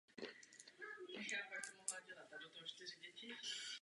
Hrálo se podle švýcarského systému.